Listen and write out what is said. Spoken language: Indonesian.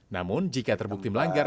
namun jika terbukti melanggar